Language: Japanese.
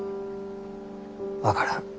分からん。